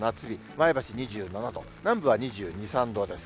前橋２７度、南部は２２、３度です。